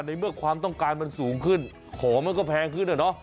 ในเมื่อความต้องการมันสูงขึ้นของมันก็แพงขึ้นอะเนาะ